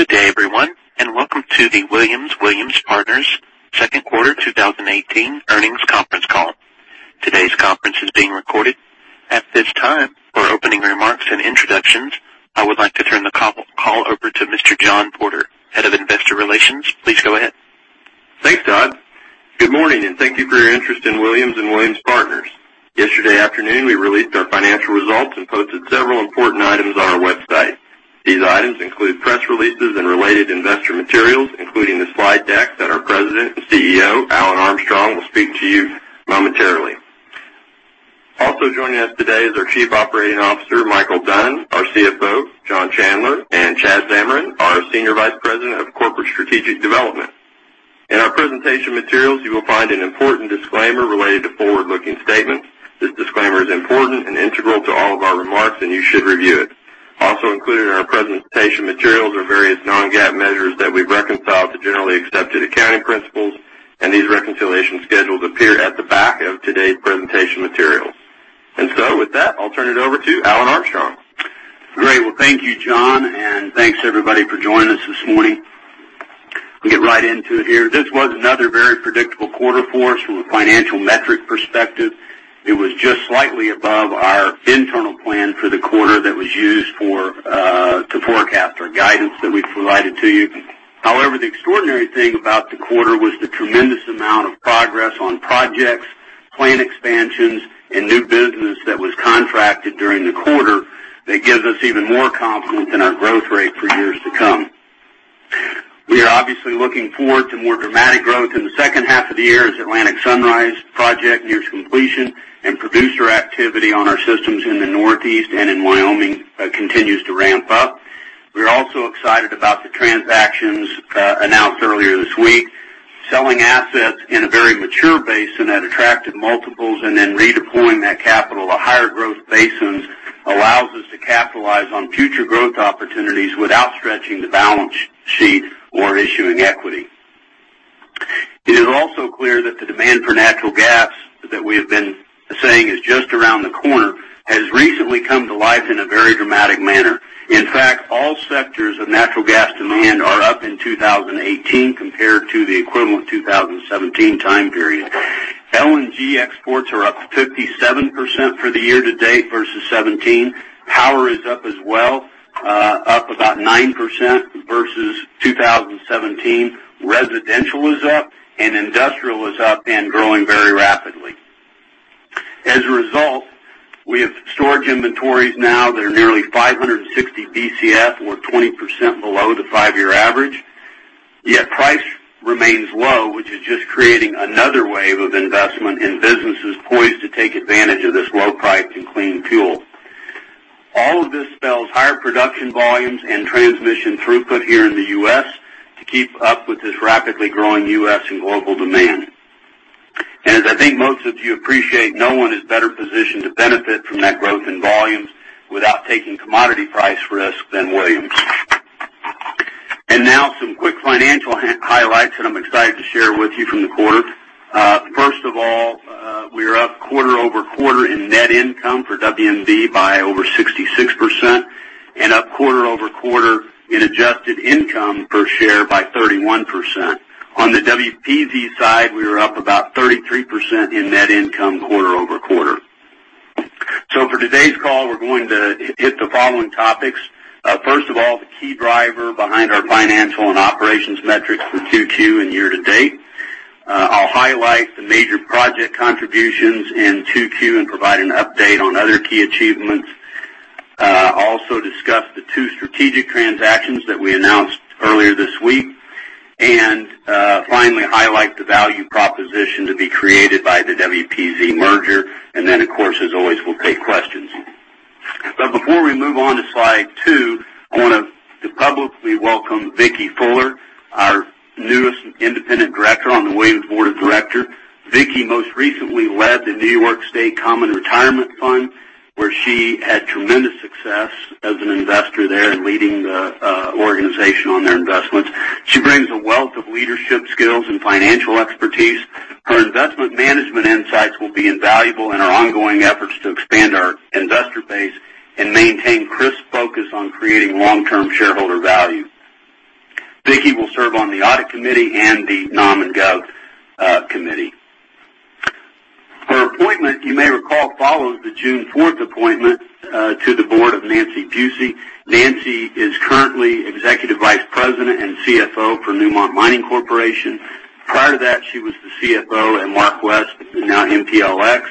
Good day, everyone, and welcome to the Williams & Williams Partners second quarter 2018 earnings conference call. Today's conference is being recorded. At this time, for opening remarks and introductions, I would like to turn the call over to Mr. John Porter, Head of Investor Relations. Please go ahead. Thanks, Todd. Good morning, and thank you for your interest in Williams & Williams Partners. Yesterday afternoon, we released our financial results and posted several important items on our website. These items include press releases and related investor materials, including the slide deck that our President and CEO, Alan Armstrong, will speak to you momentarily. Also joining us today is our Chief Operating Officer, Micheal Dunn, our CFO, John Chandler, and Chad Zamarin, our Senior Vice President of Corporate Strategic Development. In our presentation materials, you will find an important disclaimer related to forward-looking statements. This disclaimer is important and integral to all of our remarks, and you should review it. Also included in our presentation materials are various non-GAAP measures that we've reconciled to generally accepted accounting principles, and these reconciliation schedules appear at the back of today's presentation materials. With that, I'll turn it over to Alan Armstrong. Great. Well, thank you, John, and thanks everybody for joining us this morning. We'll get right into it here. This was another very predictable quarter for us from a financial metric perspective. It was just slightly above our internal plan for the quarter that was used to forecast our guidance that we provided to you. However, the extraordinary thing about the quarter was the tremendous amount of progress on projects, plan expansions, and new business that was contracted during the quarter that gives us even more confidence in our growth rate for years to come. We are obviously looking forward to more dramatic growth in the second half of the year as Atlantic Sunrise project nears completion and producer activity on our systems in the Northeast and in Wyoming continues to ramp up. We're also excited about the transactions announced earlier this week. Selling assets in a very mature basin at attractive multiples and then redeploying that capital to higher growth basins allows us to capitalize on future growth opportunities without stretching the balance sheet or issuing equity. It is also clear that the demand for natural gas that we have been saying is just around the corner, has recently come to life in a very dramatic manner. In fact, all sectors of natural gas demand are up in 2018 compared to the equivalent 2017 time period. LNG exports are up 57% for the year to date versus 2017. Power is up as well, up about 9% versus 2017. Residential is up, industrial is up and growing very rapidly. As a result, we have storage inventories now that are nearly 560 Bcf or 20% below the five-year average. Yet price remains low, which is just creating another wave of investment in businesses poised to take advantage of this low price in clean fuel. All of this spells higher production volumes and transmission throughput here in the U.S. to keep up with this rapidly growing U.S. and global demand. As I think most of you appreciate, no one is better positioned to benefit from that growth in volumes without taking commodity price risk than Williams. Now some quick financial highlights that I'm excited to share with you from the quarter. First of all, we are up quarter-over-quarter in net income for WMB by over 66%, and up quarter-over-quarter in adjusted income per share by 31%. On the WPZ side, we are up about 33% in net income quarter-over-quarter. For today's call, we're going to hit the following topics. First of all, the key driver behind our financial and operations metrics for Q2 and year to date. I'll highlight the major project contributions in Q2 and provide an update on other key achievements. I'll also discuss the two strategic transactions that we announced earlier this week. Finally, highlight the value proposition to be created by the WPZ merger. Of course, as always, we'll take questions. Before we move on to slide two, I want to publicly welcome Vicki Fuller, our newest independent director on the Williams board of director. Vicki most recently led the New York State Common Retirement Fund, where she had tremendous success as an investor there, leading the organization on their investments. She brings a wealth of leadership skills and financial expertise. Her investment management insights will be invaluable in our ongoing efforts to expand our investor base and maintain crisp focus on creating long-term shareholder value. Vicki will serve on the audit committee and the Nom and Gov Committee. Her appointment, you may recall, follows the June 4 appointment to the board of Nancy Buese. Nancy is currently Executive Vice President and CFO for Newmont Mining Corporation. Prior to that, she was the CFO at MarkWest, now MPLX,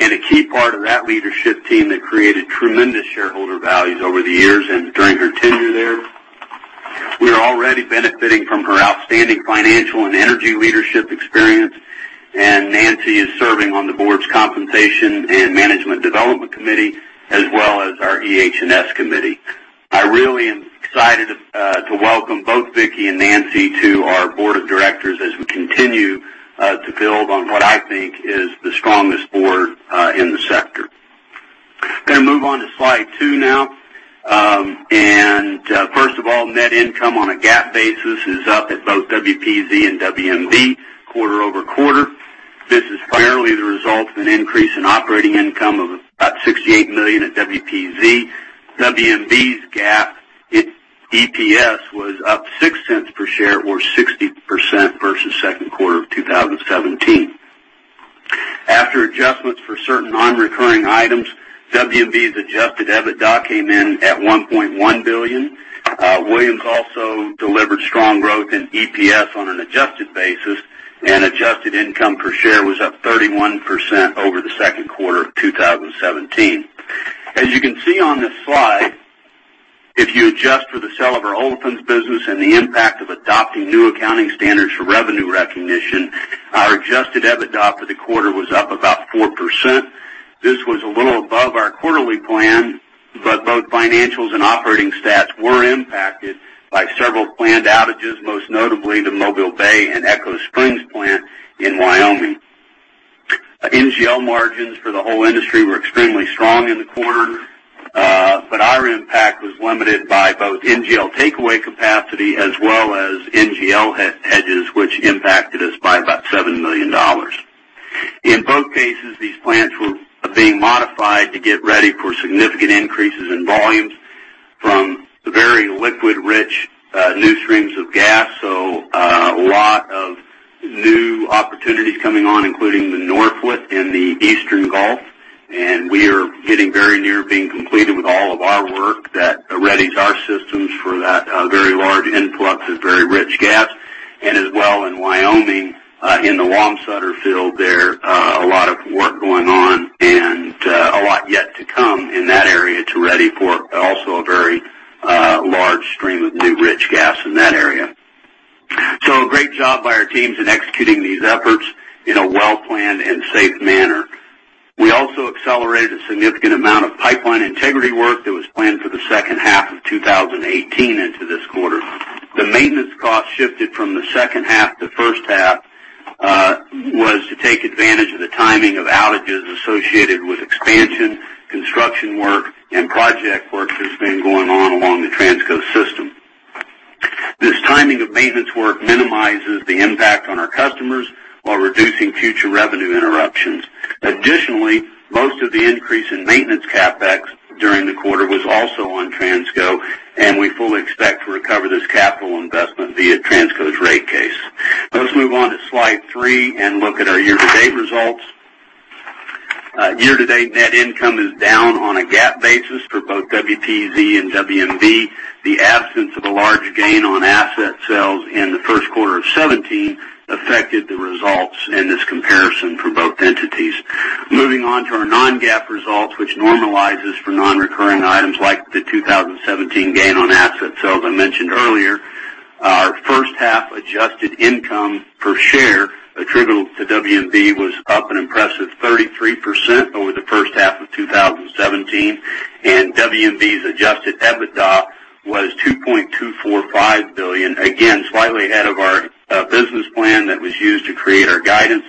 and a key part of that leadership team that created tremendous shareholder values over the years and during her tenure there. We are already benefiting from her outstanding financial and energy leadership experience, and Nancy is serving on the board's compensation and management development committee, as well as our EH&S committee. I really am excited to welcome both Vicki and Nancy to our Board of Directors as we continue to build on what I think is the strongest board in the sector. Going to move on to slide two now. First of all, net income on a GAAP basis is up at both WPZ and WMB quarter-over-quarter. Result of an increase in operating income of about $68 million at WPZ. WMB's GAAP, its EPS was up $0.06 per share or 60% versus second quarter of 2017. After adjustments for certain non-recurring items, WMB's adjusted EBITDA came in at $1.1 billion. Williams also delivered strong growth in EPS on an adjusted basis, adjusted income per share was up 31% over the second quarter of 2017. As you can see on this slide, if you adjust for the sale of our olefins business and the impact of adopting new accounting standards for revenue recognition, our adjusted EBITDA for the quarter was up about 4%. This was a little above our quarterly plan, but both financials and operating stats were impacted by several planned outages, most notably the Mobile Bay and Echo Springs plant in Wyoming. NGL margins for the whole industry were extremely strong in the quarter, but our impact was limited by both NGL takeaway capacity as well as NGL hedges, which impacted us by about $7 million. In both cases, these plants were being modified to get ready for significant increases in volumes from the very liquid-rich new streams of gas. A lot of new opportunities coming on, including the Norphlet and the Eastern Gulf, and we are getting very near being completed with all of our work that readies our systems for that very large influx of very rich gas. As well in Wyoming, in the Wamsutter field there, a lot of work going on and a lot yet to come in that area to ready for also a very large stream of new rich gas in that area. A great job by our teams in executing these efforts in a well-planned and safe manner. We also accelerated a significant amount of pipeline integrity work that was planned for the second half of 2018 into this quarter. The maintenance cost shifted from the second half to first half was to take advantage of the timing of outages associated with expansion, construction work, and project work that's been going on along the Transco system. This timing of maintenance work minimizes the impact on our customers while reducing future revenue interruptions. Additionally, most of the increase in maintenance CapEx during the quarter was also on Transco, and we fully expect to recover this capital investment via Transco's rate case. Let's move on to slide three and look at our year-to-date results. Year-to-date net income is down on a GAAP basis for both WPZ and WMB. The absence of a large gain on asset sales in the first quarter of 2017 affected the results in this comparison for both entities. Moving on to our non-GAAP results, which normalizes for non-recurring items like the 2017 gain on asset sales I mentioned earlier. Our first half adjusted income per share attributable to WMB was up an impressive 33% over the first half of 2017, and WMB's adjusted EBITDA was $2.245 billion. Again, slightly ahead of our business plan that was used to create our guidance.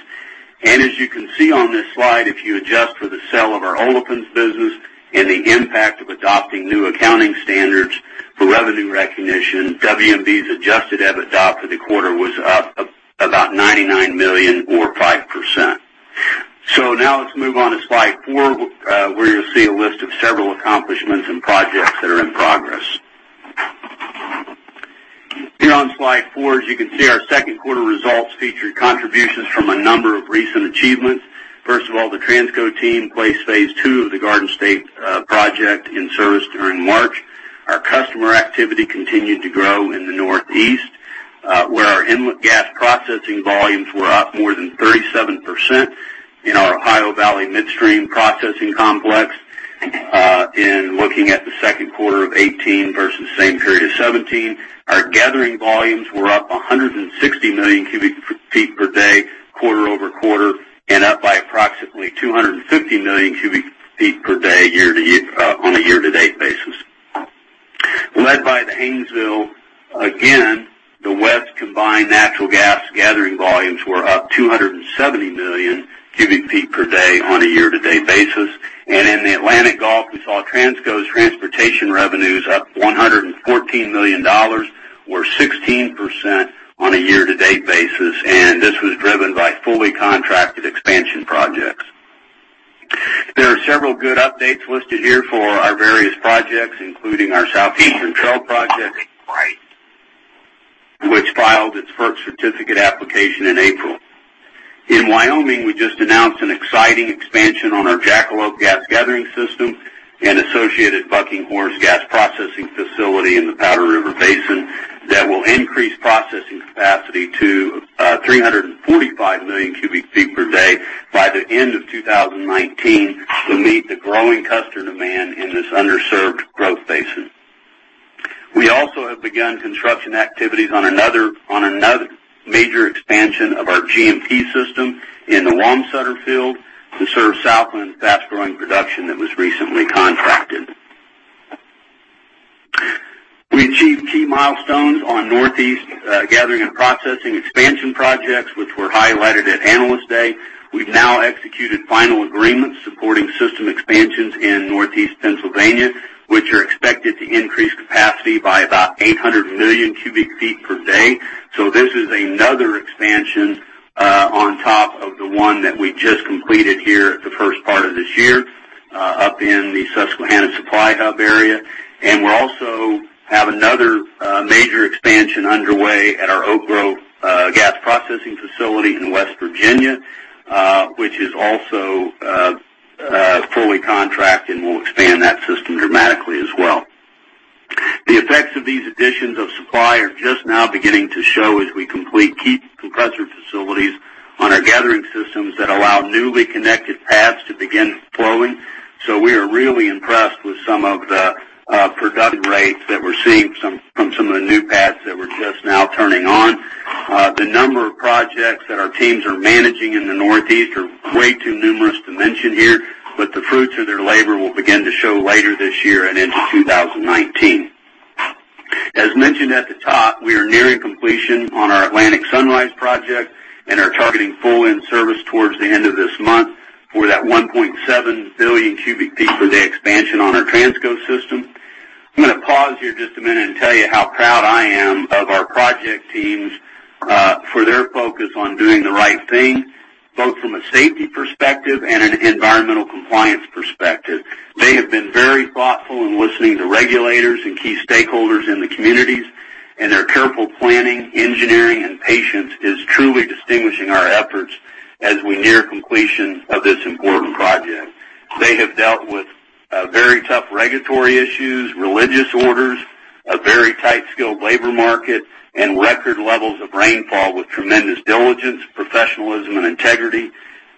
As you can see on this slide, if you adjust for the sale of our olefins business and the impact of adopting new accounting standards for revenue recognition, WMB's adjusted EBITDA for the quarter was up about $99 million or 5%. Now let's move on to slide four, where you'll see a list of several accomplishments and projects that are in progress. Here on slide four, as you can see, our second quarter results featured contributions from a number of recent achievements. First of all, the Transco team placed phase two of the Garden State project in service during March. Our customer activity continued to grow in the Northeast, where our inlet gas processing volumes were up more than 37% in our Ohio Valley midstream processing complex. In looking at Q2 2018 versus same period 2017, our gathering volumes were up 160 million cubic feet per day quarter-over-quarter, and up by approximately 250 million cubic feet per day on a year-to-date basis. Led by the Haynesville, again, the west combined natural gas gathering volumes were up 270 million cubic feet per day on a year-to-date basis. In the Atlantic Gulf, we saw Transco's transportation revenues up $114 million or 16% on a year-to-date basis. This was driven by fully contracted expansion projects. There are several good updates listed here for our various projects, including our Southeastern Trail project, which filed its first certificate application in April. In Wyoming, we just announced an exciting expansion on our Jackalope Gas Gathering System and associated Bucking Horse gas processing facility in the Powder River Basin that will increase processing capacity to 345 million cubic feet per day by the end of 2019 to meet the growing customer demand in this underserved growth basin. We also have begun construction activities on another major expansion of our G&P system in the Wamsutter field to serve Southland's fast-growing production that was recently contracted. We achieved key milestones on Northeast Gathering and Processing expansion projects, which were highlighted at Analyst Day. We've now executed final agreements supporting system expansions in Northeast Pennsylvania, which are expected to increase capacity by about 800 million cubic feet per day. This is another expansion on top of the one that we just completed here at the first part of this year up in the Susquehanna supply hub area. We also have another major expansion underway at our Oak Grove gas processing facility in West Virginia, which is also fully contracted and will expand that system dramatically as well. The effects of these additions of supply are just now beginning to show as we complete key compressor facilities on our gathering systems that allow newly connected paths to begin flowing. We are really impressed with some of the production rates that we're seeing from some of the new paths that we're just now turning on. The number of projects that our teams are managing in the Northeast are way too numerous to mention here, but the fruits of their labor will begin to show later this year and into 2019. As mentioned at the top, we are nearing completion on our Atlantic Sunrise project and are targeting full in-service towards the end of this month for that 1.7 billion cubic feet per day expansion on our Transco system. I'm going to pause here just a minute and tell you how proud I am of our project teams for their focus on doing the right thing, both from a safety perspective and an environmental compliance perspective. They have been very thoughtful in listening to regulators and key stakeholders in the communities, their careful planning, engineering, and patience is truly distinguishing our efforts as we near completion of this important project. They have dealt with very tough regulatory issues, religious orders, a very tight skilled labor market, and record levels of rainfall with tremendous diligence, professionalism, and integrity.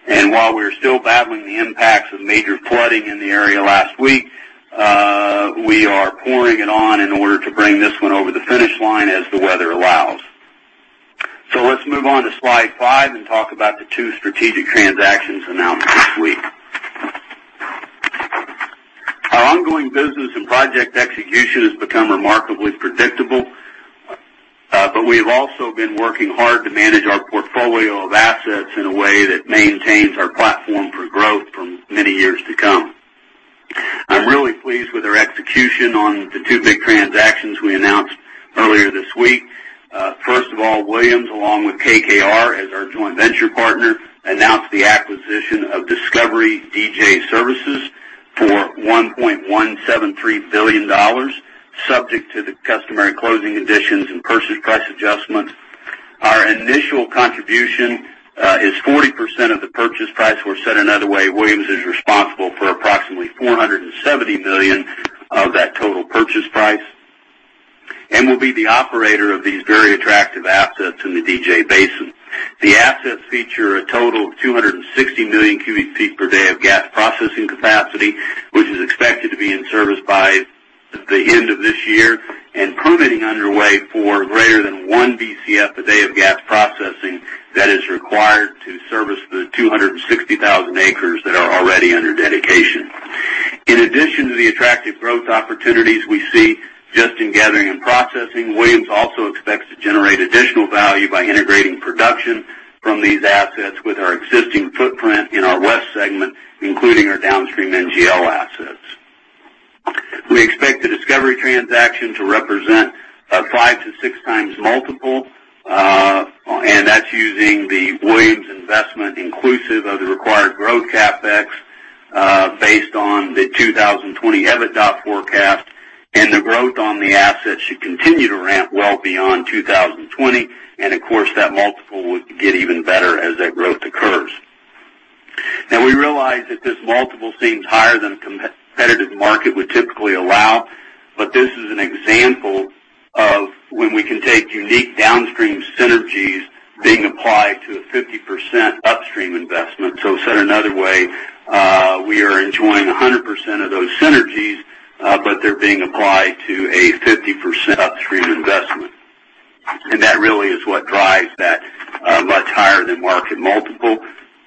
While we're still battling the impacts of major flooding in the area last week, we are pouring it on in order to bring this one over the finish line as the weather allows. Let's move on to slide five and talk about the two strategic transactions announced this week. Our ongoing business and project execution has become remarkably predictable, but we've also been working hard to manage our portfolio of assets in a way that maintains our platform for growth for many years to come. I'm really pleased with our execution on the two big transactions we announced earlier this week. First of all, Williams, along with KKR as our joint venture partner, announced the acquisition of Discovery DJ Services for $1.173 billion, subject to the customary closing additions and purchase price adjustments. Our initial contribution is 40% of the purchase price, or said another way, Williams is responsible for approximately $470 million of that total purchase price and will be the operator of these very attractive assets in the DJ Basin. The assets feature a total of 260 million cubic feet per day of gas processing capacity, which is expected to be in service by the end of this year. Permitting underway for greater than 1 Bcf a day of gas processing that is required to service the 260,000 acres that are already under dedication. In addition to the attractive growth opportunities we see just in gathering and processing, Williams also expects to generate additional value by integrating production from these assets with our existing footprint in our west segment, including our downstream NGL assets. We expect the Discovery transaction to represent a 5 to 6 times multiple, and that's using the Williams investment inclusive of the required growth CapEx, based on the 2020 EBITDA forecast. The growth on the assets should continue to ramp well beyond 2020, and of course, that multiple would get even better as that growth occurs. We realize that this multiple seems higher than a competitive market would typically allow, but this is an example of when we can take unique downstream synergies being applied to a 50% upstream investment. Said another way, we are enjoying 100% of those synergies, but they're being applied to a 50% upstream investment. That really is what drives that much higher than market multiple.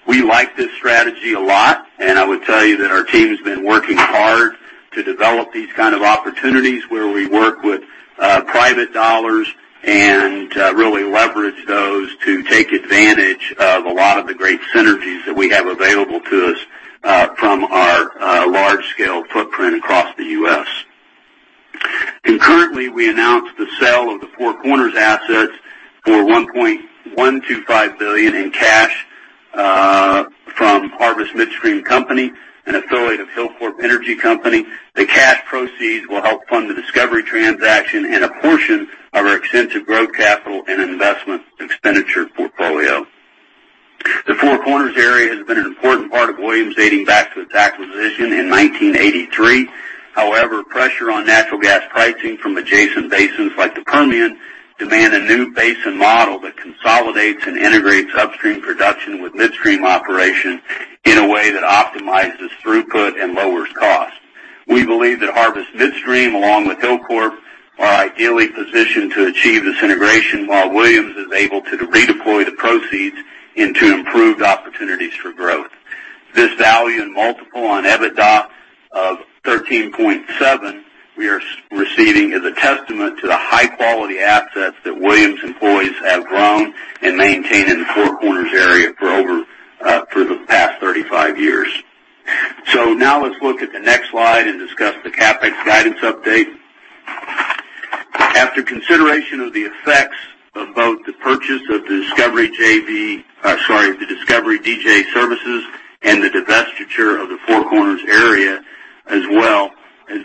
We like this strategy a lot, and I would tell you that our team's been working hard to develop these kind of opportunities where we work with private dollars and really leverage those to take advantage of a lot of the great synergies that we have available to us from our large-scale footprint across the U.S. Concurrently, we announced the sale of the Four Corners assets for $1.125 billion in cash from Harvest Midstream Company, an affiliate of Hilcorp Energy Company. The cash proceeds will help fund the Discovery transaction and a portion of our extensive growth capital and investment expenditure portfolio. The Four Corners area has been an important part of Williams dating back to its acquisition in 1983. However, pressure on natural gas pricing from adjacent basins like the Permian demand a new basin model that consolidates and integrates upstream production with midstream operation in a way that optimizes throughput and lowers cost. We believe that Harvest Midstream, along with Hilcorp, are ideally positioned to achieve this integration while Williams is able to redeploy the proceeds into improved opportunities for growth. This value and multiple on EBITDA of 13.7 we are receiving is a testament to the high-quality assets that Williams employees have grown and maintained in the Four Corners area After consideration of the effects of both the purchase of the Discovery JV, the Discovery DJ Services and the divestiture of the Four Corners area, as well as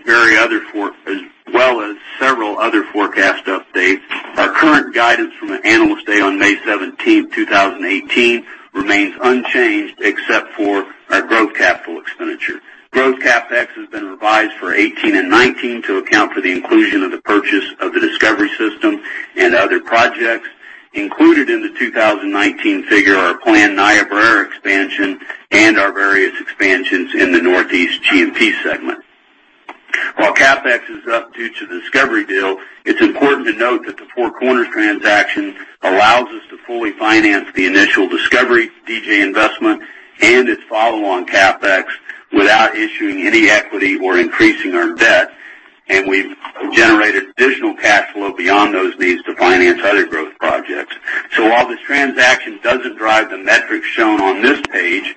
several other forecast updates, our current guidance from the Analyst Day on May 17th, 2018, remains unchanged except for our growth capital expenditure. Growth CapEx has been revised for 2018 and 2019 to account for the inclusion of the purchase of the Discovery system and other projects. Included in the 2019 figure are our planned Niobrara expansion and our various expansions in the Northeast G&P segment. While CapEx is up due to the Discovery deal, it's important to note that the Four Corners transaction allows us to fully finance the initial Discovery DJ investment and its follow-on CapEx without issuing any equity or increasing our debt. We've generated additional cash flow beyond those needs to finance other growth projects. While this transaction doesn't drive the metrics shown on this page,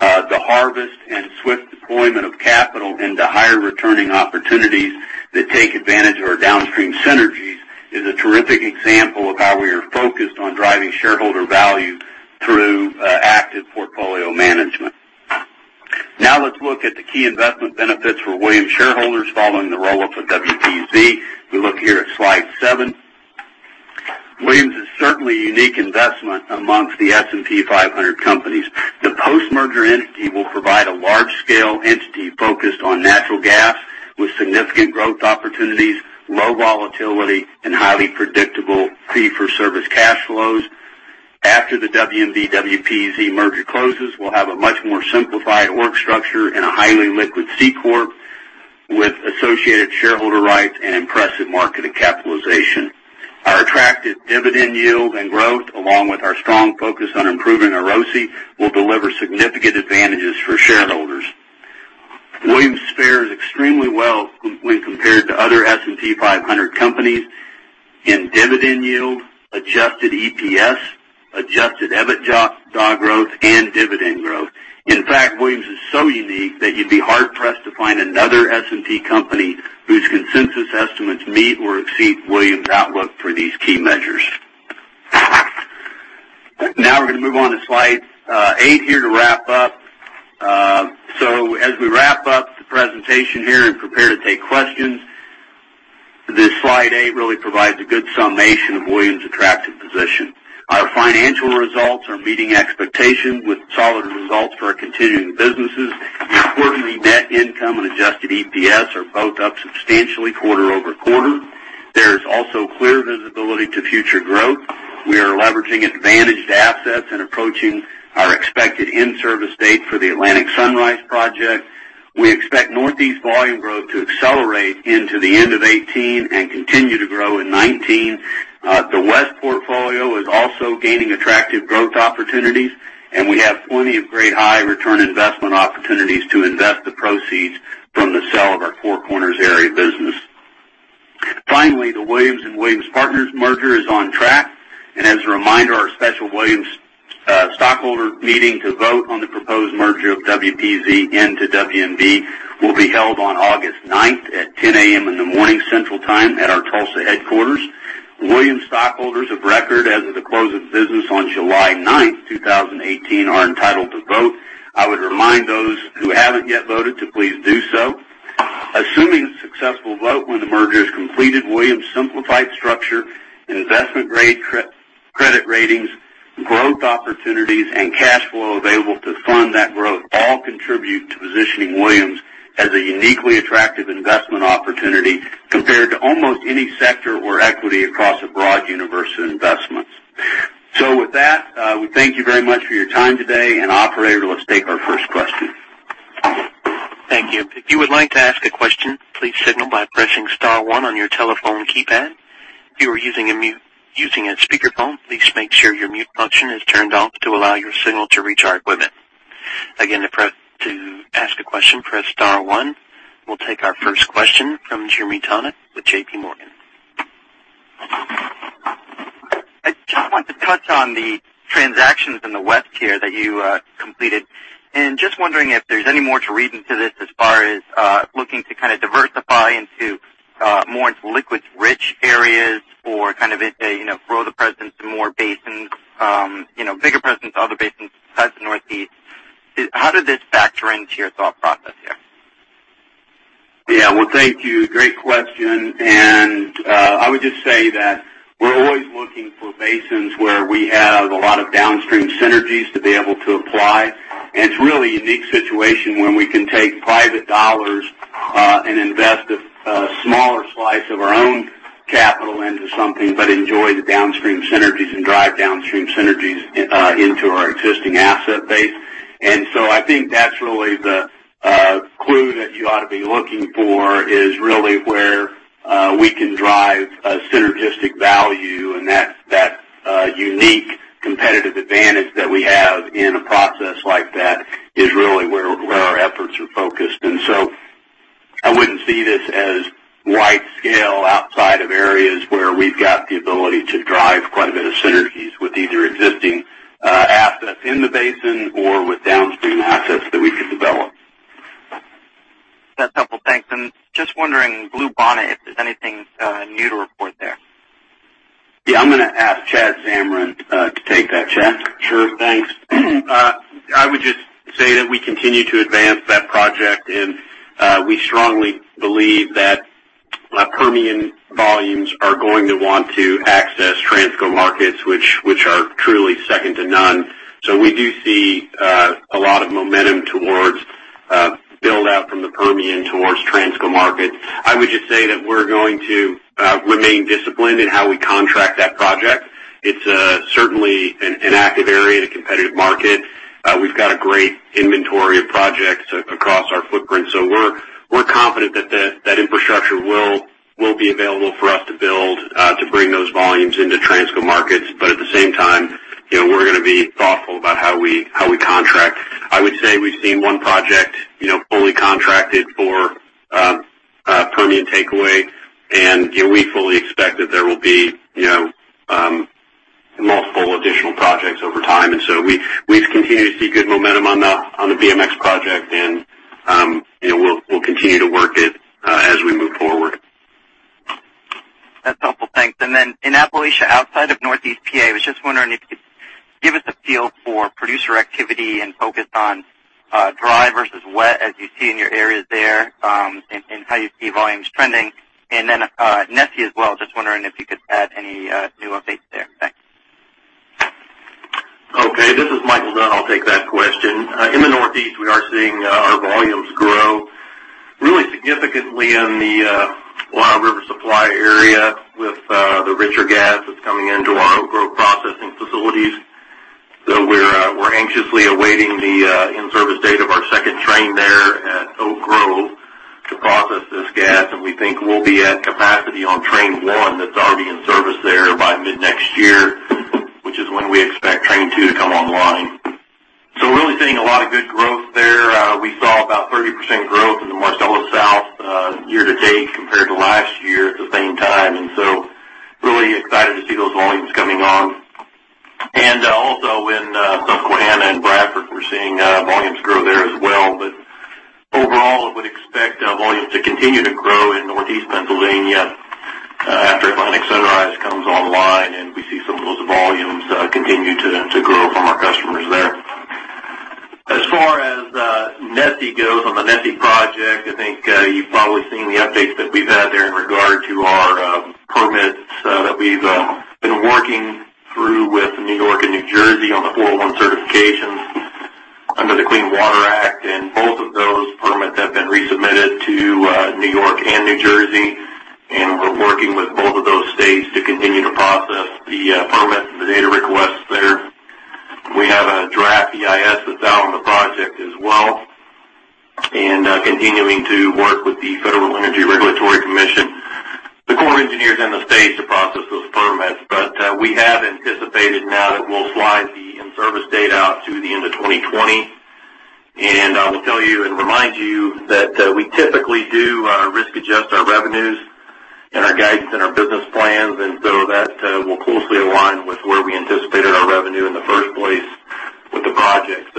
the harvest and swift deployment of capital into higher-returning opportunities that take advantage of our downstream synergies is a terrific example of how we are focused on driving shareholder value through active portfolio management. Let's look at the key investment benefits for Williams shareholders following the roll-up of WPZ. We look here at slide seven. Williams is certainly a unique investment amongst the S&P 500 companies. The post-merger entity will provide a large-scale entity focused on natural gas with significant growth opportunities, low volatility, and highly predictable fee-for-service cash flows. After the WMB/WPZ merger closes, we'll have a much more simplified org structure and a highly liquid C corp with associated shareholder rights and impressive market and capitalization. Our attractive dividend yield and growth, along with our strong focus on improving our ROCE, will deliver significant advantages for shareholders. Williams fares extremely well when compared to other S&P 500 companies in dividend yield, adjusted EPS, adjusted EBITDA growth, and dividend growth. In fact, Williams is so unique that you'd be hard-pressed to find another S&P company whose consensus estimates meet or exceed Williams' outlook for these key measures. We're going to move on to slide eight here to wrap up. As we wrap up the presentation here and prepare to take questions, this slide eight really provides a good summation of Williams' attractive position. Our financial results are meeting expectations with solid results for our continuing businesses. Importantly, net income and adjusted EPS are both up substantially quarter-over-quarter. There is also clear visibility to future growth. We are leveraging advantaged assets and approaching our expected in-service date for the Atlantic Sunrise project. We expect Northeast volume growth to accelerate into the end of 2018 and continue to grow in 2019. The West portfolio is also gaining attractive growth opportunities, and we have plenty of great high-return investment opportunities to invest the proceeds from the sale of our Four Corners area business. Finally, the Williams and Williams Partners merger is on track. As a reminder, our special Williams stockholder meeting to vote on the proposed merger of WPZ into WMB will be held on August ninth, at 10:00 A.M. Central Time, at our Tulsa headquarters. Williams stockholders of record as of the close of business on July ninth, 2018, are entitled to vote. I would remind those who haven't yet voted to please do so. Assuming a successful vote when the merger is completed, Williams' simplified structure, investment-grade credit ratings, growth opportunities, and cash flow available to fund that growth all contribute to positioning Williams as a uniquely attractive investment opportunity compared to almost any sector or equity across a broad universe of investments. With that, we thank you very much for your time today. Operator, let's take our first question. Thank you. If you would like to ask a question, please signal by pressing star one on your telephone keypad. If you are using a speakerphone, please make sure your mute function is turned off to allow your signal to reach our equipment. Again, to ask a question, press star one. We'll take our first question from Jeremy Tonet with J.P. Morgan. I just want to touch on the transactions in the West here that you completed. Just wondering if there's any more to reading to this as far as looking to kind of diversify more into liquids-rich areas or kind of grow the presence in more basins, bigger presence in other basins besides the Northeast. How did this factor into your thought process here? Well, thank you. Great question. I would just say that we're always looking for basins where we have a lot of downstream synergies to be able to apply. It's really a unique situation when we can take private dollars and invest a smaller slice of our own capital into something, but enjoy the downstream synergies and drive downstream synergies into our existing asset base. I think that's really the clue that you ought to be looking for, is really where we can drive a synergistic value, and that unique competitive advantage that we have in a process like that is really where our efforts are focused. I wouldn't see this as wide Areas where we've got the ability to drive quite a bit of synergies with either existing assets in the basin or with downstream assets that we could develop. That's helpful. Thanks. Just wondering, Bluebonnet, if there's anything new to report there. Yeah, I'm going to ask Chad Zamarin to take that. Chad? Sure. Thanks. I would just say that we continue to advance that project. We strongly believe that Permian volumes are going to want to access Transco markets, which are truly second to none. We do see a lot of momentum towards build-out from the Permian towards Transco markets. I would just say that we're going to remain disciplined in how we contract that project. It's certainly an active area and a competitive market. We've got a great inventory of projects across our footprint. We're confident that that infrastructure will be available for us to build to bring those volumes into Transco markets. At the same time, we're going to be thoughtful about how we contract. I would say we've seen one project fully contracted for Permian takeaway. We fully expect that there will be multiple additional projects over time. We've continued to see good momentum on the BMX project. We'll continue to work it as we move forward. That's helpful. Thanks. In Appalachia, outside of Northeast P.A., I was just wondering if you could give us a feel for producer activity and focus on dry versus wet as you see in your areas there. How you see volumes trending. NESE as well, just wondering if you could add any new updates there. Thanks. Okay, this is Micheal Dunn. I'll take that question. In the Northeast, we are seeing our volumes grow really significantly in the Kanawha River supply area with the richer gas that's coming into our Oak Grove processing facilities. We're anxiously awaiting the in-service date of our second train there at Oak Grove to process this gas, and we think we'll be at capacity on train one that's already in service there by mid-next year, which is when we expect train two to come online. We're really seeing a lot of good growth there. We saw about 30% growth in the Marcellus South year to date compared to last year at the same time, really excited to see those volumes coming on. Also in Susquehanna and Bradford, we're seeing volumes grow there as well. Overall, would expect volumes to continue to grow in Northeast Pennsylvania after Atlantic Sunrise comes online and we see some of those volumes continue to grow from our customers there. As far as NESE goes, on the NESE project, I think you've probably seen the updates that we've had there in regard to our permits that we've been working through with New York and New Jersey on the Section 401 certifications under the Clean Water Act. Both of those permits have been resubmitted to New York and New Jersey, and we're working with both of those states to continue to process the permits and the data requests there. We have a draft EIS that's out on the project as well, continuing to work with the Federal Energy Regulatory Commission, the Corps of Engineers, and the states to process those permits. We have anticipated now that we'll slide the in-service date out to the end of 2020. I will tell you and remind you that we typically do risk adjust our revenues and our guidance and our business plans, that will closely align with where we anticipated our revenue in the first place with the project.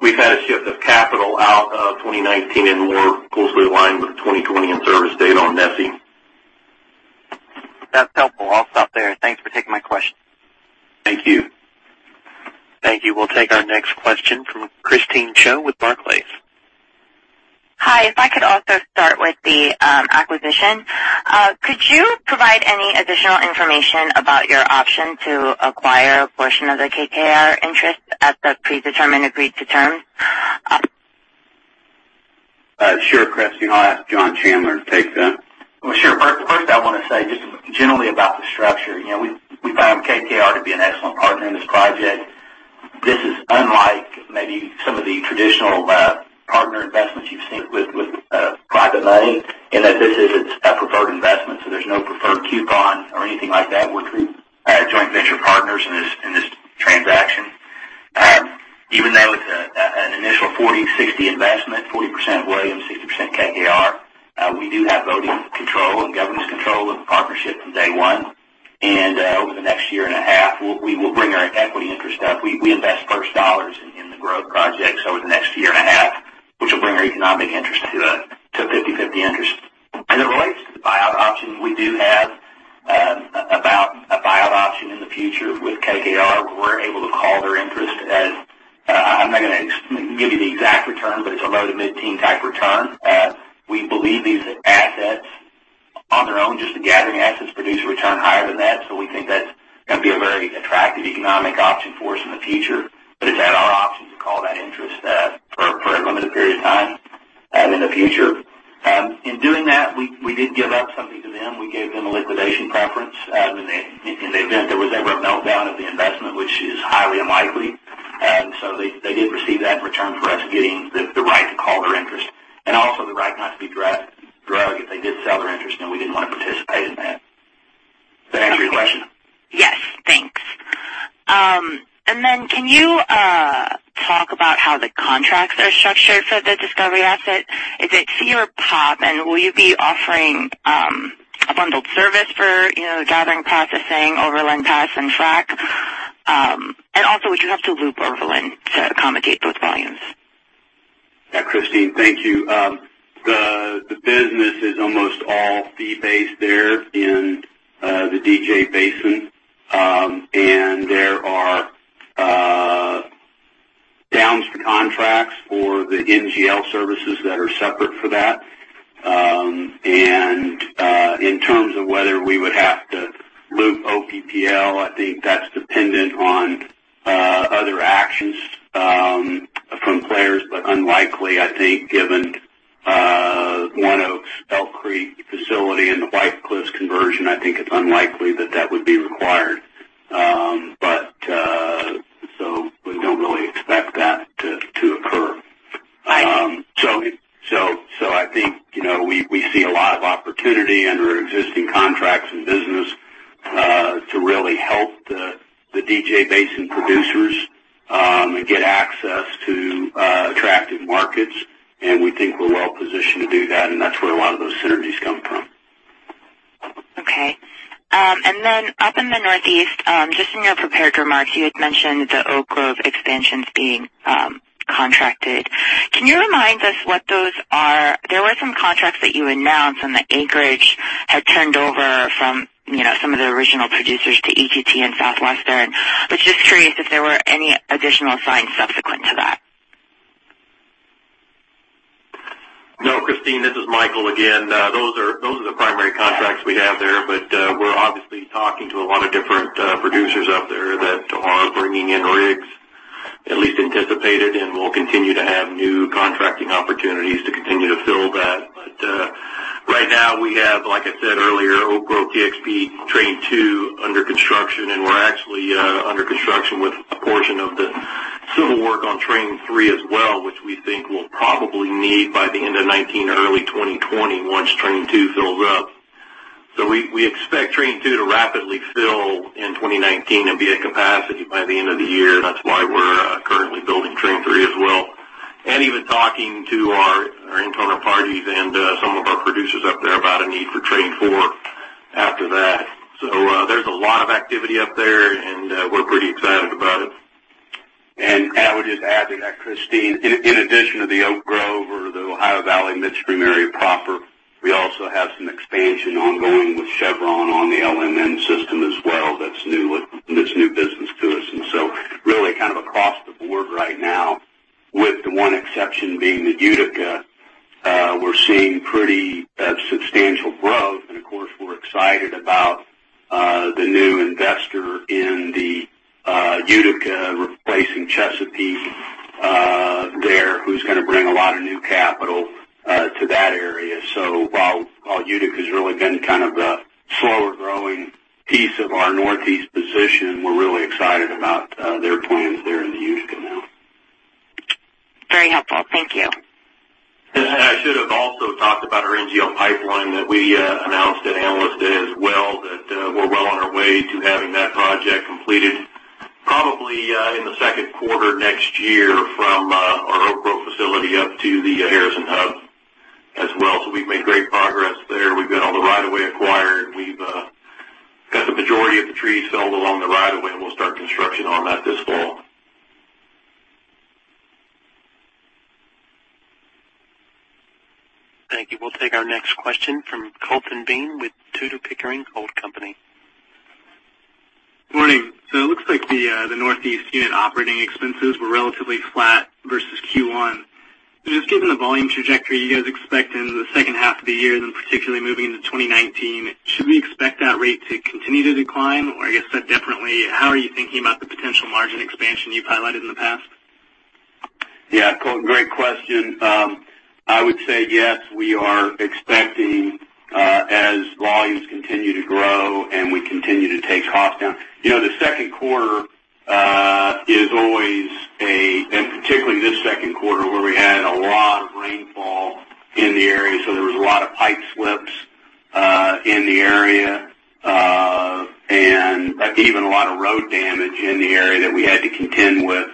We've had a shift of capital out of 2019 and more closely aligned with the 2020 in-service date on NESE. That's helpful. I'll stop there. Thanks for taking my question. Thank you. Thank you. We'll take our next question from Christine Cho with Barclays. Hi. If I could also start with the acquisition. Could you provide any additional information about your option to acquire a portion of the KKR interest at the predetermined agreed to terms? Sure, Christine. I'll ask John Chandler to take that. Well, sure. First, I want to say just generally about the structure. We found KKR to be an excellent partner in this project. This is unlike maybe some of the traditional partner investments you've seen with private money in that this is a preferred investment, so there's no preferred coupon or anything like that. We're joint venture partners in this transaction. Even though it's an initial 40/60 investment, 40% Williams, 60% KKR, we do have voting control and governance control of the partnership from day one. Over the next year and a half, we will bring our equity interest up. We invest first dollars in the growth project, so over the next year and a half, which will bring our economic interest to a 50/50 interest. As it relates to the buyout option, we do have about a buyout option in the future with KKR. We're able to call their interest. I'm not going to give you the exact return, but it's a low to mid-teen type return. We believe these assets on their own, just the gathering assets, produce a return higher than that. We think that's going to be a very attractive economic option for us in the future. It's at our option to call that interest for a limited period of time in the future. In doing that, we did give up something to them. We gave them a liquidation preference in the event there was ever a meltdown of the investment, which is highly unlikely. They did receive that in return for us getting the right to call their interest and also the right not to be drug if they did sell their interest, and we didn't want to participate in that. Does that answer your question? Can you talk about how the contracts are structured for the Discovery asset? Is it fee or POP, and will you be offering a bundled service for gathering, processing, [Overland Pass, and frac?] Would you have to loop Overland to accommodate those volumes? Yeah, Christine, thank you. The business is almost all fee-based there in the DJ basin. There are downstream contracts for the NGL services that are separate for that. In terms of whether we would have to loop OPPL, I think that's dependent on other actions from players, but unlikely, I think, given ONEOK's Elk Creek facility and the White Cliffs conversion. I think it's unlikely that that would be required. We don't really expect that to occur. I think we see a lot of opportunity under existing contracts and business to really help the DJ basin producers get access to attractive markets, and we think we're well positioned to do that, and that's where a lot of those synergies come from. Then up in the Northeast, just in your prepared remarks, you had mentioned the Oak Grove expansions being contracted. Can you remind us what those are? There were some contracts that you announced, and the acreage had turned over from some of the original producers to EQT and Southwestern. I was just curious if there were any additional signs subsequent to that. No, Christine, this is Micheal again. Those are the primary contracts we have there. We're obviously talking to a lot of different producers up there that are bringing in rigs, at least anticipated, and we'll continue to have new contracting opportunities to continue to fill that. Right now we have, like I said earlier, Oak Grove TXP Train Two under construction, and we're actually under construction with a portion of the civil work on Train Three as well, which we think we'll probably need by the end of 2019, early 2020, once Train Two fills up. We expect Train Two to rapidly fill in 2019 and be at capacity by the end of the year. That's why we're currently building Train Three as well, and even talking to our internal parties and some of our producers up there about a need for Train Four after that. There's a lot of activity up there, and we're pretty excited about it. I would just add to that, Christine, in addition to the Oak Grove or the Ohio Valley midstream area proper, we also have some expansion ongoing with Chevron on the Laurel Mountain Midstream system as well. That's new business to us. Really across the board right now, with the one exception being the Utica, we're seeing pretty substantial growth. Of course, we're excited about the new investor in the Utica replacing Chesapeake there, who's going to bring a lot of new capital to that area. While Utica's really been kind of the slower-growing piece of our Northeast position, we're really excited about their plans there in the Utica now. Very helpful. Thank you. I should have also talked about our NGL pipeline that we announced at Analyst Day as well, that we are well on our way to having that project completed probably in the second quarter next year from our Oak Grove facility up to the Harrison hub as well. We have made great progress there. We have got all the right of way acquired. We have got the majority of the trees felled along the right of way, and we will start construction on that this fall. Thank you. We will take our next question from Colton Bean with Tudor, Pickering, Holt & Co. Morning. It looks like the Northeast unit operating expenses were relatively flat versus Q1. Just given the volume trajectory you guys expect in the second half of the year, particularly moving into 2019, should we expect that rate to continue to decline? I guess said differently, how are you thinking about the potential margin expansion you have highlighted in the past? Colton, great question. I would say yes, we are expecting as volumes continue to grow and we continue to take costs down. The second quarter is always, and particularly this second quarter where we had a lot of rainfall in the area, there was a lot of pipe slips in the area, and even a lot of road damage in the area that we had to contend with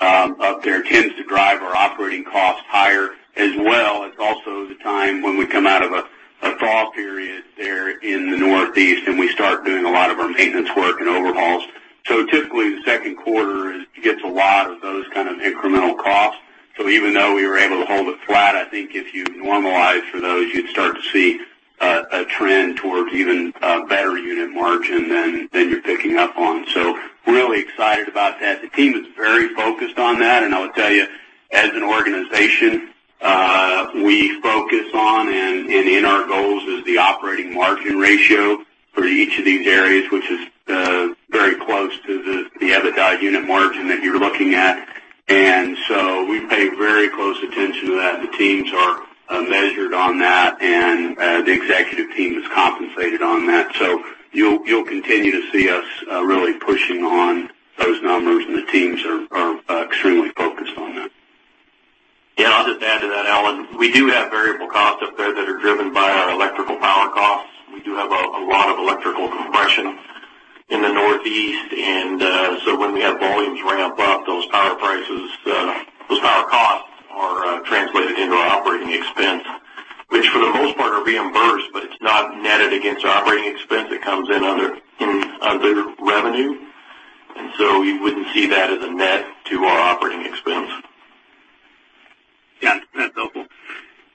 up there. It tends to drive our operating costs higher as well. It is also the time when we come out of a thaw period there in the Northeast and we start doing a lot of our maintenance work and overhauls. Typically, the second quarter gets a lot of those kind of incremental costs. Even though we were able to hold it flat, I think if you normalize for those, you would start to see a trend towards even a better unit margin than you are picking up on. Really excited about that. The team is very focused on that, and I would tell you, as an organization, we focus on and in our goals is the operating margin ratio for each of these areas, which is very close to the EBITDA unit margin that you are looking at. We pay very close attention to that. The teams are measured on that, and the executive team is compensated on that. You will continue to see us really pushing on those numbers, and the teams are extremely focused on that. I will just add to that, Alan. A lot of electrical compression in the Northeast. When we have volumes ramp up, those power costs are translated into operating expense, which for the most part are reimbursed, but it is not netted against operating expense. It comes in under revenue. You would not see that as a net to our operating expense. That is helpful.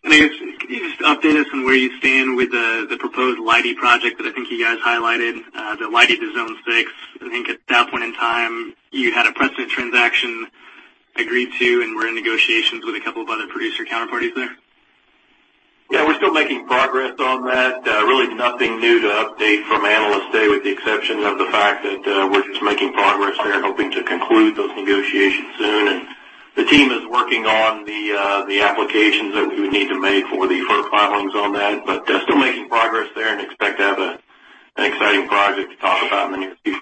I guess, could you just update us on where you stand with the proposed Leidy project that I think you guys highlighted, the Leidy to Zone 6? I think at that point in time, you had a precedent transaction agreed to and were in negotiations with a couple of other producer counterparties there. We're still making progress on that. Really nothing new to update from Analyst Day with the exception of the fact that we're just making progress there and hoping to conclude those negotiations soon. The team is working on the applications that we would need to make for the FERC filings on that, but still making progress there and expect to have an exciting project to talk about in the near future.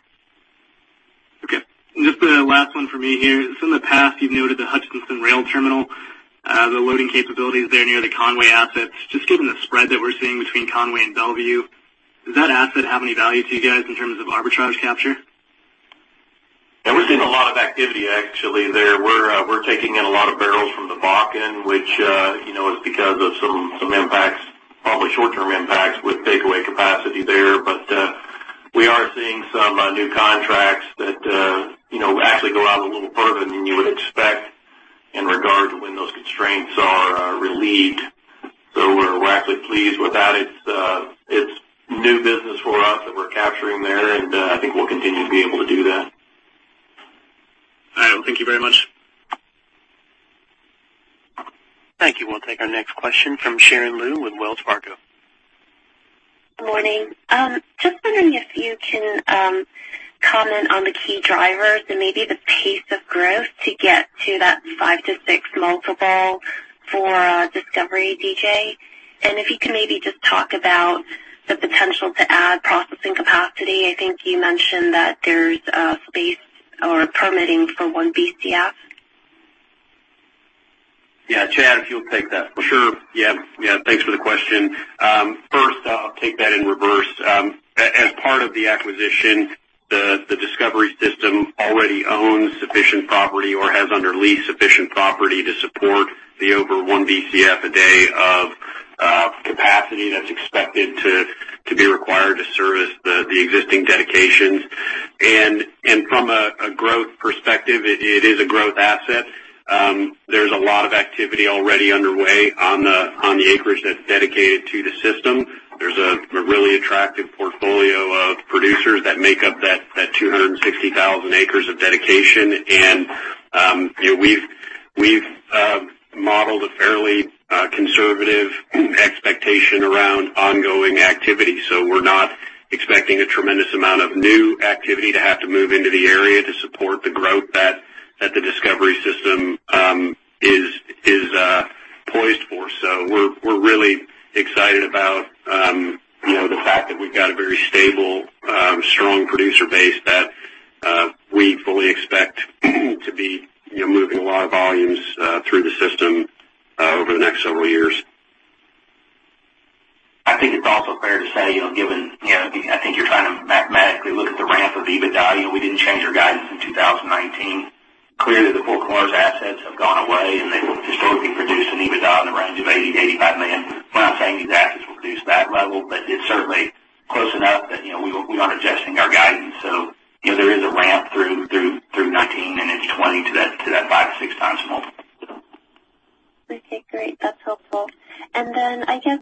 Okay. Just the last one for me here. In the past, you've noted the Hutchinson rail terminal, the loading capabilities there near the Conway assets. Given the spread that we're seeing between Conway and Bellevue, does that asset have any value to you guys in terms of arbitrage capture? We're seeing a lot of activity actually there. We're taking in a lot of barrels from the Bakken, which is because of some impacts, probably short-term impacts with takeaway capacity there. We are seeing some new contracts that actually go out a little further than you would expect in regard to when those constraints are relieved. We're actually pleased with that. It's new business for us that we're capturing there, and I think we'll continue to be able to do that. All right. Thank you very much. Thank you. We'll take our next question from Sharon Lui with Wells Fargo. Good morning. Just wondering if you can comment on the key drivers and maybe the pace of growth to get to that five to six multiple for Discovery DJ. If you could maybe just talk about the potential to add processing capacity. I think you mentioned that there's a space or permitting for one Bcf. Yeah. Chad, if you'll take that. Sure. Yeah. Thanks for the question. First, I'll take that in reverse. As part of the acquisition, the Discovery system already owns sufficient property or has under lease sufficient property to support the over one Bcf a day of capacity that's expected to be required to service the existing dedications. From a growth perspective, it is a growth asset. There's a lot of activity already underway on the acreage that's dedicated to the system. There's a really attractive portfolio of producers that make up that 260,000 acres of dedication. We've modeled a fairly conservative expectation around ongoing activity. We're not expecting a tremendous amount of new activity to have to move into the area to support the growth that the Discovery system is poised for. We're really excited about the fact that we've got a very stable, strong producer base that we fully expect to be moving a lot of volumes through the system over the next several years. I think you're trying to mathematically look at the ramp of EBITDA. We didn't change our guidance in 2019. Clearly, the Four Corners assets have gone away, and they will historically produce an EBITDA in the range of $80 million-$85 million. We're not saying these assets will produce that level, but it's certainly close enough that we aren't adjusting our guidance. There is a ramp through 2019 and into 2020 to that 5-6 times multiple. Okay, great. That's helpful. Then I guess,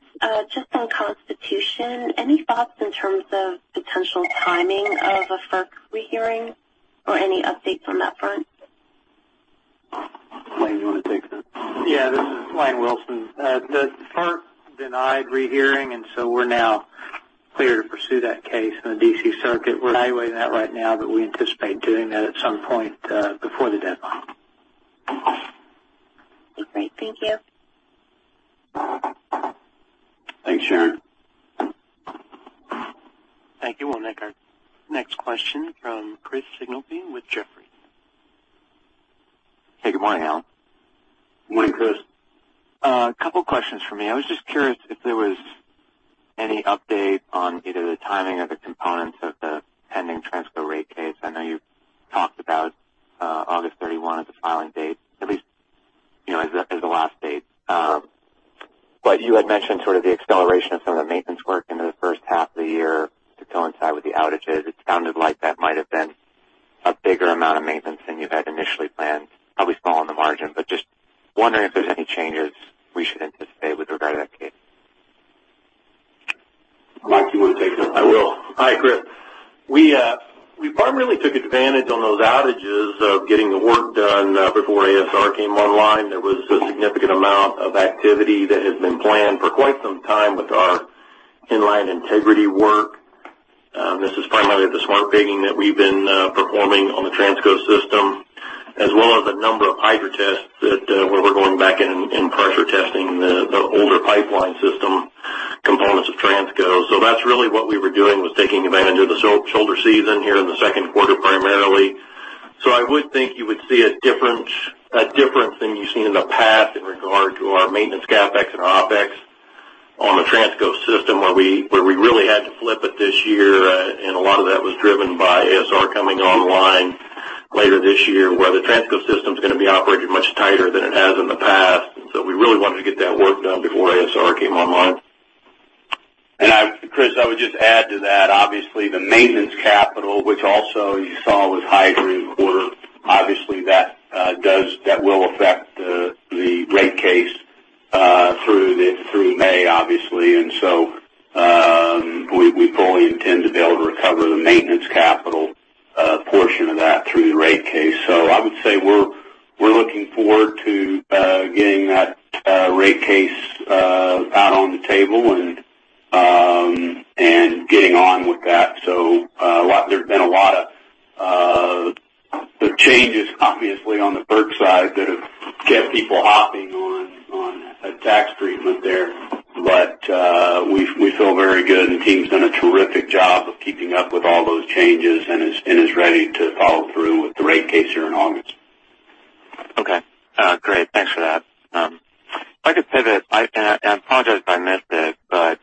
just on Constitution, any thoughts in terms of potential timing of a FERC rehearing or any updates on that front? Lane, you want to take this? Yeah. This is Lane Wilson. The FERC denied rehearing, we're now clear to pursue that case in the D.C. Circuit. We're evaluating that right now, we anticipate doing that at some point before the deadline. Great. Thank you. Thanks, Shneur. Thank you. We'll take our next question from Chris Sighinolfi with Jefferies. Hey, good morning, Alan. Morning, Chris. A couple questions for me. I was just curious if there was any update on either the timing or the components of the pending Transco rate case. I know you talked about August 31 as a filing date, at least as the last date. You had mentioned sort of the acceleration of some of the maintenance work into the first half of the year to coincide with the outages. It sounded like that might have been a bigger amount of maintenance than you had initially planned, probably small on the margin, just wondering if there's any changes we should anticipate with regard to that case. Mike, you want to take this? I will. Hi, Chris. We primarily took advantage on those outages of getting the work done before ASR came online. There was a significant amount of activity that had been planned for quite some time with our in-line integrity work. This is primarily the smart pigging that we've been performing on the Transco system, as well as a number of hydro tests where we're going back in and pressure testing the older pipeline system components of Transco. That's really what we were doing, was taking advantage of the shoulder season here in the second quarter primarily. I would think you would see a difference than you've seen in the past in regard to our maintenance CapEx and OpEx on the Transco system, where we really had to flip it this year. A lot of that was driven by ASR coming online later this year, where the Transco system's going to be operating much tighter than it has in the past. We really wanted to get that work done before ASR came online. Chris, I would just add to that, obviously, the maintenance capital, which also you saw was high during the quarter. Obviously, that will affect the rate case through May. We fully intend to be able to recover the maintenance capital portion of that through the rate case. I would say we're looking forward to getting that rate case out on the table and getting on with that. There's been a lot of changes, obviously, on the FERC side that have kept people hopping on tax treatment there. We feel very good, and the team's done a terrific job of keeping up with all those changes and is ready to follow through with the rate case here in August. Okay. Great. Thanks for that. If I could pivot, and I apologize if I missed it, but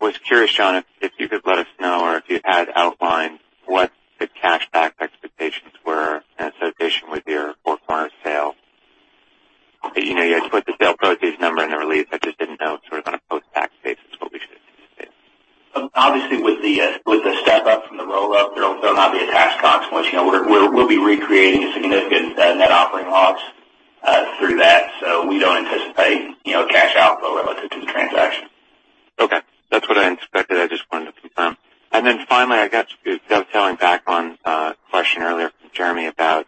was curious, John, if you could let us know or if you had outlined what the cash back expectations were in association with your Four Corners sale. You had put the sale proceeds number in the release. I just didn't know, sort of on a post-tax basis, what we should expect. With the step-up from the roll-up, there'll not be a tax consequence. We'll be recreating a significant net operating loss through that, we don't anticipate cash outflow relative to the transaction. Okay. That's what I expected. I just wanted to confirm. Then finally, dovetailing back on a question earlier from Jeremy about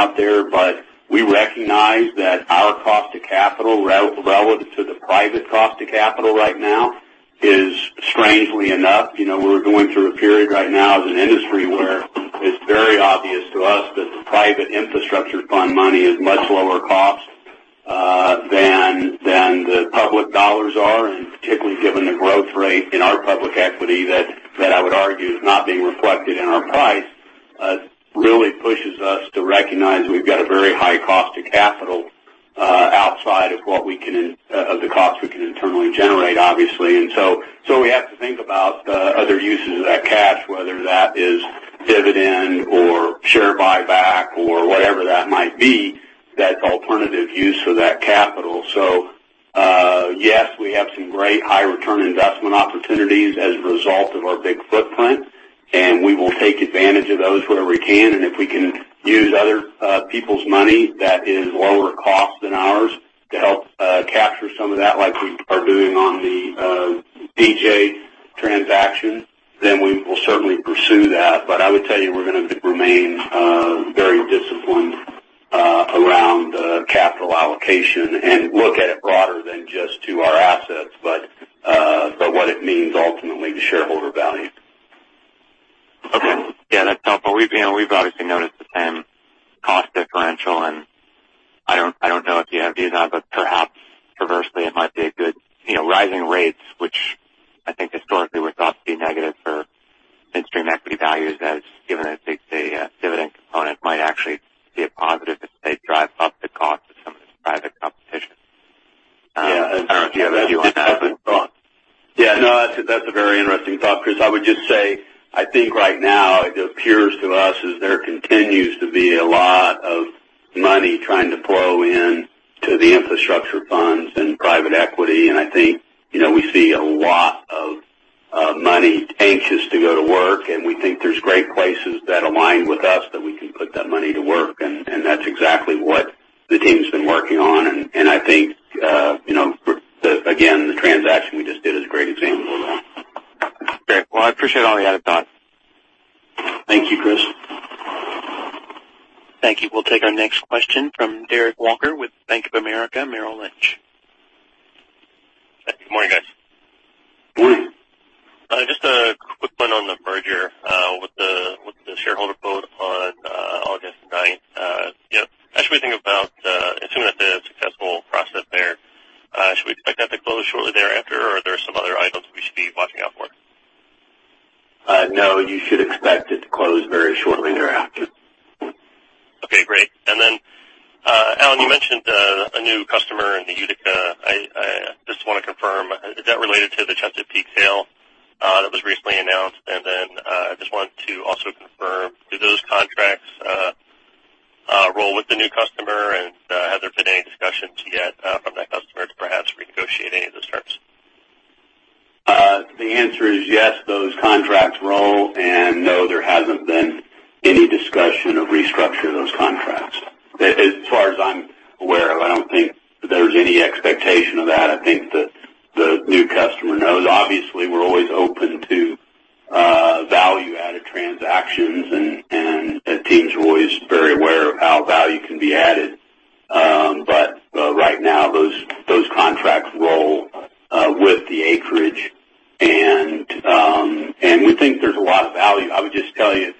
There are a lot of opportunities out there, we recognize that our cost to capital relative to the private cost to capital right now is strangely enough, we're going through a period right now as an industry where it's very obvious to us that the private infrastructure fund money is much lower cost than the public dollars are. Particularly given the growth rate in our public equity, that I would argue is not being reflected in our price, really pushes us to recognize we've got a very high cost to capital outside of the cost we can internally generate, obviously. We have to think about other uses of that cash, whether that is dividend or share buyback or whatever that might be, that alternative use of that capital. Yes, we have some great high-return investment opportunities as a result of our big footprint, and we will take advantage of those wherever we can. If we can use other people's money that is lower cost than ours to help capture some of that, like we are doing on the DJ transaction, then we will certainly pursue that. I would tell you, we're going to remain very disciplined around capital allocation and look at it broader than just to our assets, what it means ultimately to shareholder value. Okay. Yeah, that's helpful. We've obviously noticed the same cost differential, and I don't know if you have views on it, but perhaps conversely, it might be rising rates, which I think historically were thought to be negative for midstream equity values, given a big dividend component might actually be a positive if they drive up the cost of some of this private competition. I don't know if you have a view on that. Yeah, no, that's a very interesting thought, Chris. I would just say, I think right now it appears to us as there continues to be a lot of money trying to flow into the infrastructure funds and private equity. I think we see a lot of money anxious to go to work, and we think there's great places that align with us that we can put that money to work. That's exactly what the team's been working on. I think, again, the transaction we just did is a great example of that. Great. Well, I appreciate all the added thought. Thank you, Chris. Thank you. We'll take our next question from Derek Walker with Bank of America Merrill Lynch. Good morning, guys. Morning. Just a quick one on the merger with the shareholder vote on August the ninth. As we think about assuming that they have a successful process there, should we expect that to close shortly thereafter, or are there some other items we should be watching out for? No, you should expect it to close very shortly thereafter. Okay, great. Alan, you mentioned a new customer in the Utica. I just want to confirm, is that related to the Chesapeake sale that was recently announced? I just wanted to also confirm, do those contracts roll with the new customer? The answer is yes, those contracts roll, no, there hasn't been any discussion of restructuring those contracts. As far as I'm aware of, I don't think there's any expectation of that. I think the new customer knows. Obviously, we're always open to value-added transactions, and the team's always very aware of how value can be added. Right now, those contracts roll with the acreage. We think there's a lot of value. I would just tell you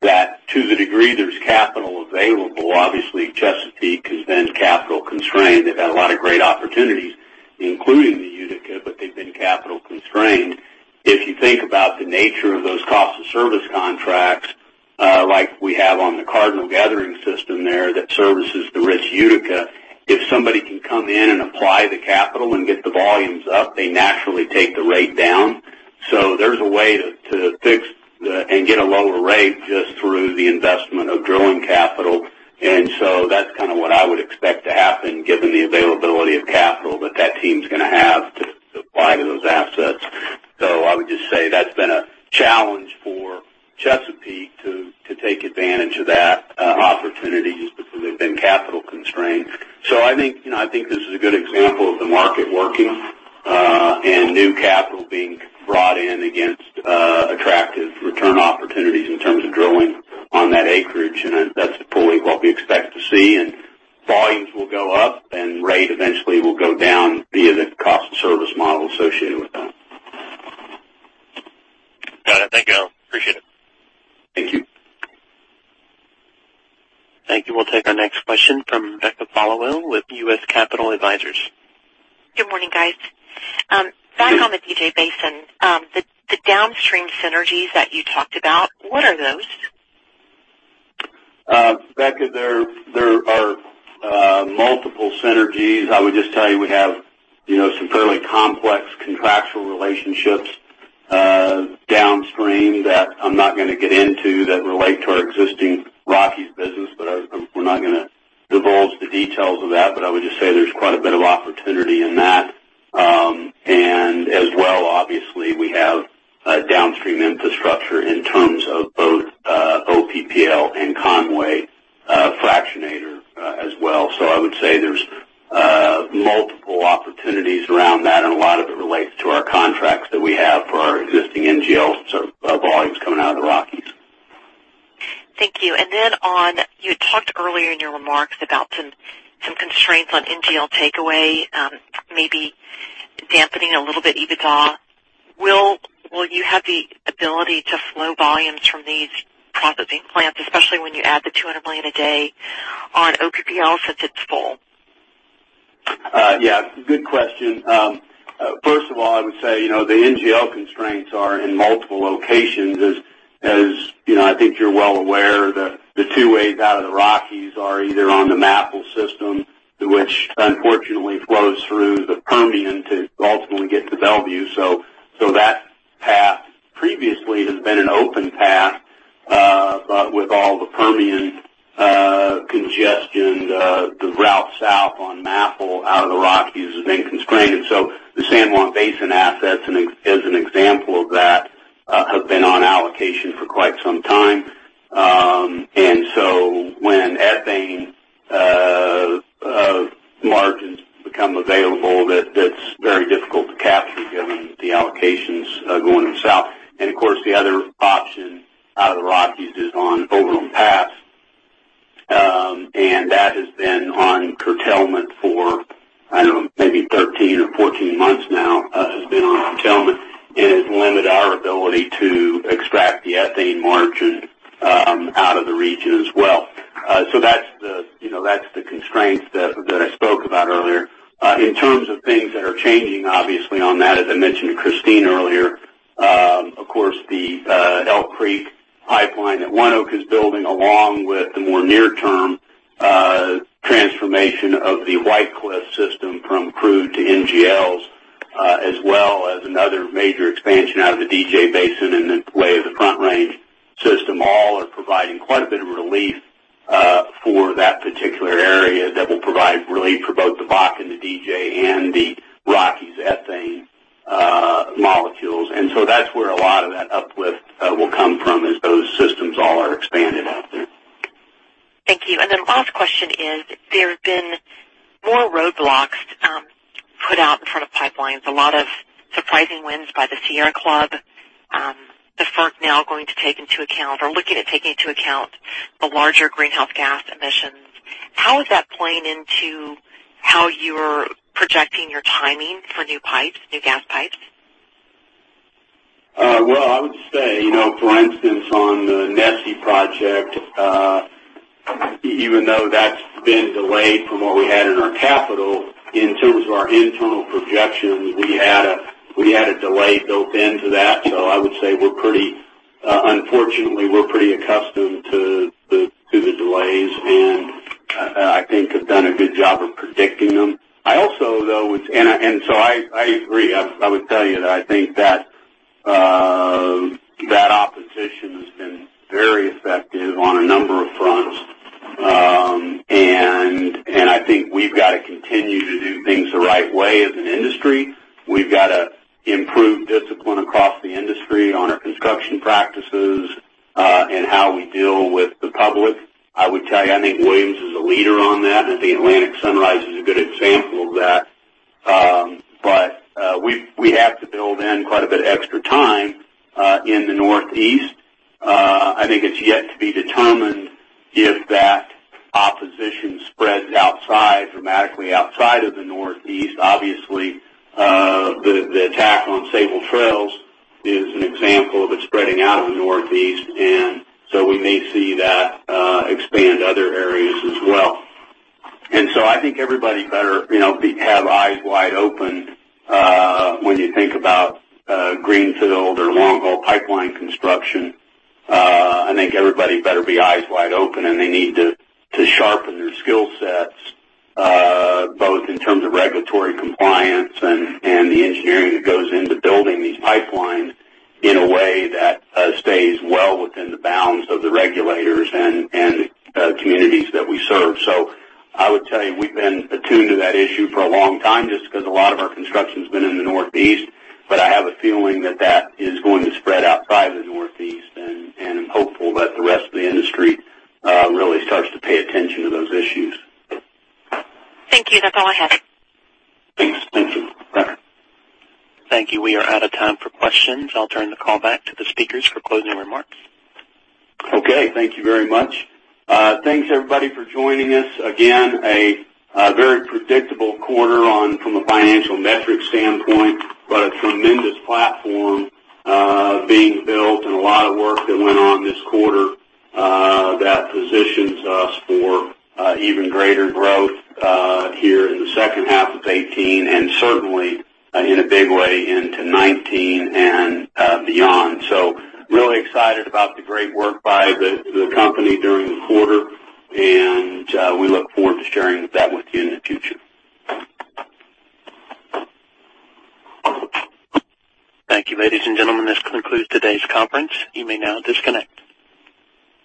that to the degree there's capital available, obviously Chesapeake has been capital constrained. They've had a lot of great opportunities, including the Utica, but they've been capital constrained. If you think about the nature of those cost of service contracts, like we have on the Cardinal Gathering system there that services the rich Utica, if somebody can come in and apply the capital and get the volumes up, they naturally take the rate down. There's a way to fix and get a lower rate just through the investment of drilling capital. That's what I would expect to happen given the availability of capital that that team's going to have to apply to those assets. I would just say that's been a challenge for Chesapeake to take advantage of that opportunity just because they've been capital constrained. I think this is a good example of the market working, and new capital being brought in against attractive return opportunities in terms of drilling on that acreage. That's fully what we expect to see, volumes will go up and rate eventually will go down via the cost service model associated with that. Got it. Thank you. Appreciate it. Thank you. Thank you. We'll take our next question from Becca Followill with U.S. Capital Advisors. Good morning, guys. Back on the DJ Basin, the downstream synergies that you talked about, what are those? Becca, there are multiple synergies. I would just tell you we have some fairly complex contractual relationships downstream that I'm not going to get into that relate to our existing Rockies business. We're not going to divulge the details of that, but I would just say there's quite a bit of opportunity in that. As well, obviously, we have downstream infrastructure in terms of both OPPL and Conway fractionator as well. I would say there's multiple opportunities around that, and a lot of it relates to our contracts that we have for our existing NGLs volumes coming out of the Rockies. Thank you. Then you talked earlier in your remarks about some constraints on NGL takeaway, maybe dampening a little bit EBITDA. Will you have the ability to flow volumes from these processing plants, especially when you add the 200 million a day on OPPL since it's full? Yeah, good question. First of all, I would say, the NGL constraints are in multiple locations. As I think you're well aware, the two ways out of the Rockies are either on the MAPL system, which unfortunately flows through the Permian to ultimately get to Bellevue. That path previously has been an open path. With all the Permian congestion, the route south on MAPL out of the Rockies has been constrained. The San Juan Basin assets, as an example of that, have been on allocation for quite some time. When ethane margins become available, that's very difficult to capture given the allocations going south. Of course, the other option out of the Rockies is on Overland Pass. That has been on curtailment for, I don't know, maybe 13 or 14 months now, has been on curtailment and has limited our ability to extract the ethane margin out of the region as well. That's the constraints that I spoke about earlier. In terms of things that are changing, obviously, on that, as I mentioned to Christine earlier, of course, the Elk Creek Pipeline that ONEOK is building, along with the more near-term transformation of the White Cliffs system from crude to NGLs, as well as another major expansion out of the DJ Basin in the way of the Front Range system, all are providing quite a bit of relief for that particular area that will provide relief for both the Bakken, the DJ, and the Rockies ethane molecules. that's where a lot of that uplift will come from as those systems all are expanded out there. Thank you. Last question is, there have been more roadblocks put out in front of pipelines, a lot of surprising wins by the Sierra Club. The FERC now going to take into account or looking at taking into account the larger greenhouse gas emissions. How is that playing into how you're projecting your timing for new gas pipes? Well, I would say, for instance, on the NESE project, even though that's been delayed from what we had in our capital, in terms of our internal projections, we had a delay built into that. I would say, unfortunately, we're pretty accustomed to the delays, and I think have done a good job of predicting them. I agree. I would tell you that I think that opposition has been very effective on a number of fronts. We've got to continue to do things the right way as an industry. We've got to improve discipline across the industry on our construction practices, and how we deal with the public. I would tell you, I think Williams is a leader on that. I think Atlantic Sunrise is a good example of that. We have to build in quite a bit extra time in the Northeast. I think it's yet to be determined if that opposition spreads dramatically outside of the Northeast. Obviously, the attack on Sabal Trail is an example of it spreading out of the Northeast, we may see that expand to other areas as well. I think everybody better have eyes wide open when you think about greenfield or long-haul pipeline construction. I think everybody better be eyes wide open, and they need to sharpen their skill sets, both in terms of regulatory compliance and the engineering that goes into building these pipelines in a way that stays well within the bounds of the regulators and the communities that we serve. I would tell you, we've been attuned to that issue for a long time, just because a lot of our construction's been in the Northeast. I have a feeling that that is going to spread outside of the Northeast, and I'm hopeful that the rest of the industry really starts to pay attention to those issues. Thank you. That's all I have. Thanks. Thank you. We are out of time for questions. I'll turn the call back to the speakers for closing remarks. Thank you very much. Thanks everybody for joining us. Again, a very predictable quarter from a financial metrics standpoint, a tremendous platform being built and a lot of work that went on this quarter that positions us for even greater growth here in the second half of 2018, and certainly in a big way into 2019 and beyond. Really excited about the great work by the company during the quarter, and we look forward to sharing that with you in the future. Thank you, ladies and gentlemen. This concludes today's conference. You may now disconnect.